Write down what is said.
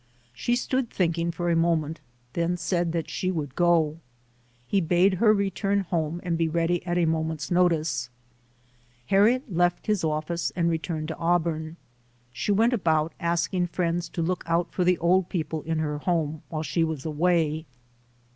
She stood thinking for a moment, then said that she would go. He bade her return home and be ready at a moment's notice. Harriet left his office and re turned to Auburn. She went about asking friends to look out for the old people in her home while she was away.